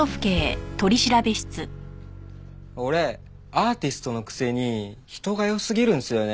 俺アーティストのくせに人が良すぎるんすよね。